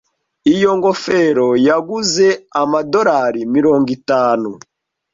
Iyo ngofero yaguze amadorari mirongo itanu.